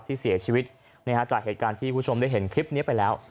ที่เสียชีวิตจากเหตุการณ์ที่คุณผู้ชมได้เห็นคลิปนี้ไปแล้ว